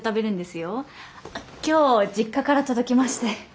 今日実家から届きまして。